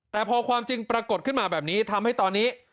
แต่พอความจริงปรากฏขึ้นมาแบบนี้ทำให้ตอนนี้